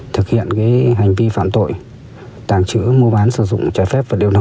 để hành vi phạm tội tàng trữ mua bán sử dụng trái phép vật liệu nổ